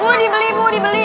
bu dibeli bu dibeli